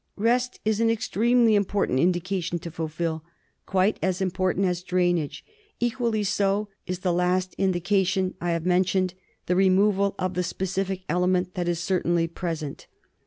Rest is an extremely important indication to fulfil, quite as important as drainage. Equally so is the last indication I have mentioned — the removal of the specific element that is certainly present.